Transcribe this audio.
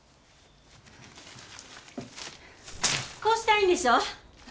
こうしたいんでしょ？